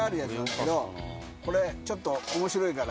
これちょっと面白いから。